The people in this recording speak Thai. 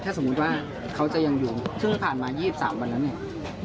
ถ้าสมมุติว่าเขาจะยังอยู่ซึ่งผ่านมา๒๓วันนั้นเนี่ย